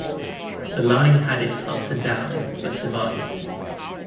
The line had its ups and downs, but survived.